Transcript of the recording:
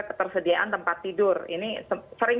ketersediaan tempat tidur ini sering